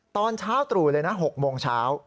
ตอนเช้าตรู่เลยนะ๖โมงเช้า